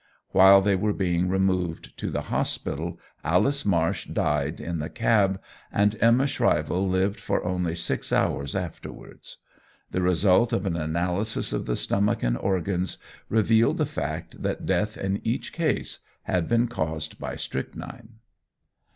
While they were being removed to the hospital Alice Marsh died in the cab, and Emma Shrivell lived for only six hours afterwards. The result of an analysis of the stomach and organs revealed the fact that death in each case had been caused by strychnine.